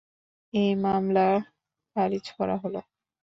এই মামলা খারিজ করা হলো।